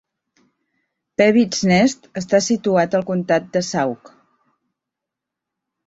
Pewits Nest està situat al comtat de Sauk.